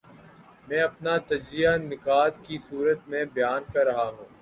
میں اپنا تجزیہ نکات کی صورت میں بیان کر رہا ہوں۔